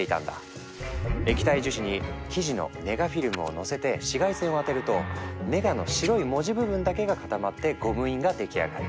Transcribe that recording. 液体樹脂に記事のネガフィルムを載せて紫外線を当てるとネガの白い文字部分だけが固まってゴム印が出来上がる。